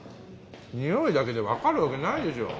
においだけで分かるわけないでしょ